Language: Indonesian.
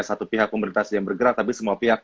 satu pihak komunitas yang bergerak tapi semua pihak